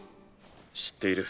知っている。